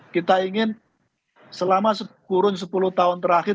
kita ingin selama sekurun sepuluh tahun terakhir